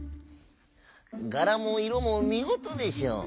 「がらもいろもみごとでしょう」。